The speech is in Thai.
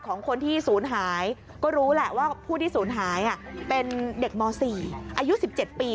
ของคนที่ศูนย์หายก็รู้แหละว่าผู้ที่ศูนย์หายเป็นเด็กม๔อายุ๑๗ปี